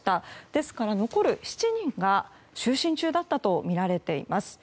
ですから残る７人が就寝中だったとみられています。